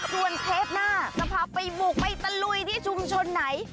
ส่วนเทปหน้าจะพาไปบุกไปตะลุยที่ชุมชนไหน